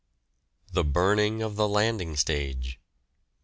THE BURNING OF THE LANDING STAGE.